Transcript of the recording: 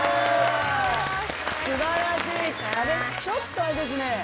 ちょっとあれですね。